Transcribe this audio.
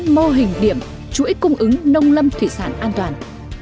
mô hình điểm chuỗi cung ứng nông lâm thủy sản an toàn